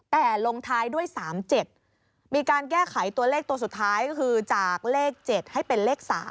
แต่ลงท้ายด้วย๓๗มีการแก้ไขตัวเลขตัวสุดท้ายก็คือจากเลข๗ให้เป็นเลข๓